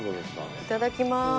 いただきます。